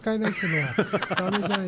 はい。